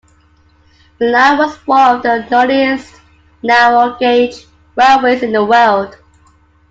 The line was one of the earliest narrow gauge railways in the world.